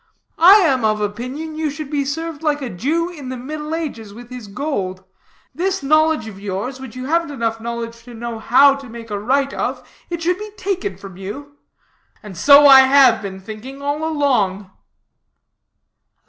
I am of opinion you should be served like a Jew in the middle ages with his gold; this knowledge of yours, which you haven't enough knowledge to know how to make a right use of, it should be taken from you. And so I have been thinking all along."